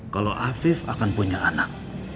kalau afif akan punya anak